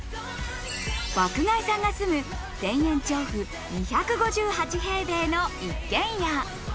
爆買いさんが住む田園調布、２５８平米の一軒家。